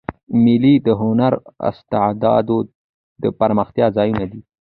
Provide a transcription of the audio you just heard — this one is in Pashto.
مېلې د هنري استعدادو د پراختیا ځایونه دي.